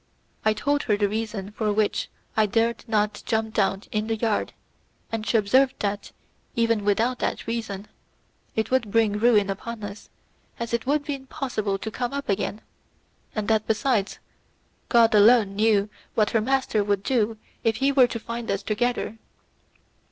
I told her the reason for which I dared not jump down in the yard, and she observed that, even without that reason, it would bring ruin upon us, as it would be impossible to come up again, and that, besides, God alone knew what her master would do if he were to find us together.